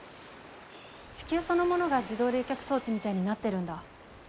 地球そのものが自動冷却装置みたいになってるんだ。